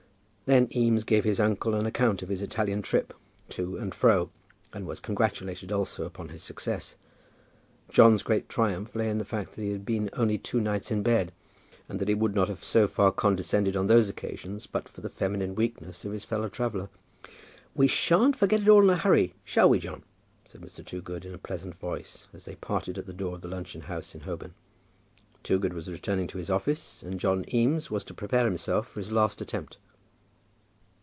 Then Eames gave his uncle an account of his Italian trip, to and fro, and was congratulated also upon his success. John's great triumph lay in the fact that he had been only two nights in bed, and that he would not have so far condescended on those occasions but for the feminine weakness of his fellow traveller. "We shan't forget it all in a hurry, shall we, John?" said Mr. Toogood, in a pleasant voice, as they parted at the door of the luncheon house in Holborn. Toogood was returning to his office, and John Eames was to prepare himself for his last attempt.